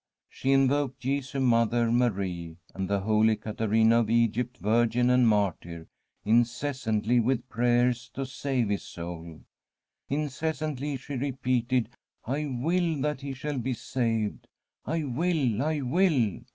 She invoked Jesu, Mother, Marie, and the Holy Caterina of Egypt, virgin and martyr, incessantly with prayers to save his soul. Incessantly she re peated: ' I will that he shall be saved— I will, I will.'